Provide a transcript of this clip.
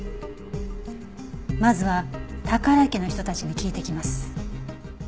まずは宝居家の人たちに聞いてきます。